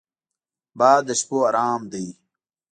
باد د شپو ارام دی